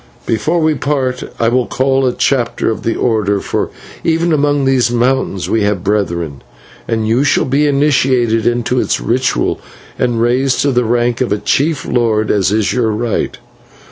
"Before we part I will call a chapter of the order for even among these mountains we have brethren and you shall be initiated into its ritual and raised to the rank of a chief lord, as is your right.